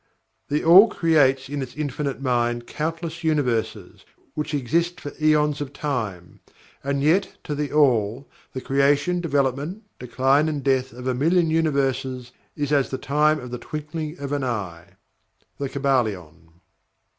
"THE ALL creates in its Infinite Mind countless Universes, which exist for aeons of Time and yet, to THE ALL, the creation, development, decline and death of a million Universes is as the time of the twinkling of an eye." The Kybalion.